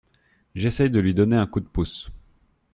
J’essaie de lui donner un coup de pouce.